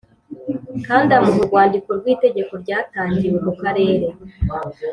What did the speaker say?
kandi amuha urwandiko rw itegeko ryatangiwe ku karere